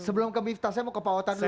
sebelum ke miftah saya mau ke pawatan dulu